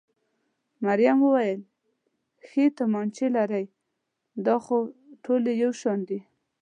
مريم وویل: ښې تومانچې لرئ؟ دا خو ټولې یو شان دي.